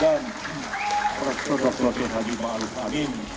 dan para protes protes yang lagi mahaluk angin